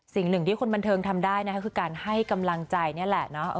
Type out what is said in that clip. สิ่งหนึ่งที่คนบันเทิงทำได้นะคะคือการให้กำลังใจนี่แหละเนาะ